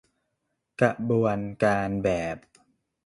กระบวนการแบบ